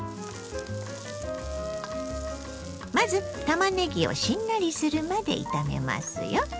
まずたまねぎをしんなりするまで炒めますよ。